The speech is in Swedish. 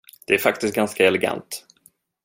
Det är faktiskt ganska elegant.